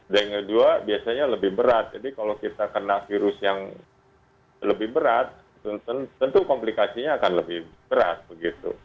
yang kedua biasanya lebih berat jadi kalau kita kena virus yang lebih berat tentu komplikasinya akan lebih berat begitu